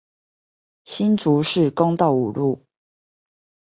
新竹市公道五路